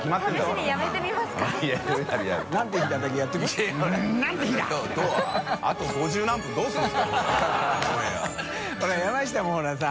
鵐┘◆ほら山下もほらさ。